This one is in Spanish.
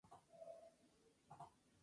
El título se traduce como "El niño salvaje".